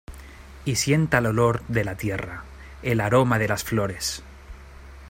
Y sienta el olor de la tierra, el aroma de las flores.